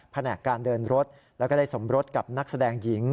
แผนกการเดินรถแล้วก็ได้สมรสกับนักแสดงหญิง